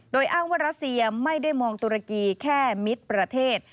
โดยอ้างว่ารัสเซียไม่ได้มองตุรกีแค่มิตรประเทศ